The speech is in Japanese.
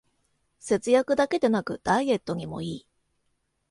節約だけでなくダイエットにもいい